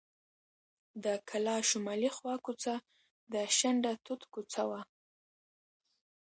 د کلا شمالي خوا کوڅه د شنډه توت کوڅه وه.